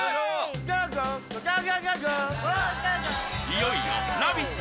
いよいよ「ラヴィット！」